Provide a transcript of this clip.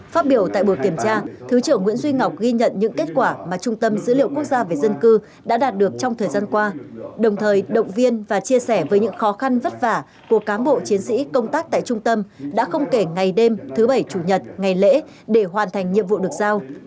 phát biểu tại buổi kiểm tra thứ trưởng nguyễn duy ngọc ghi nhận những kết quả mà trung tâm dữ liệu quốc gia về dân cư đã đạt được trong thời gian qua đồng thời động viên và chia sẻ với những khó khăn vất vả của cán bộ chiến sĩ công tác tại trung tâm đã không kể ngày đêm thứ bảy chủ nhật ngày lễ để hoàn thành nhiệm vụ được giao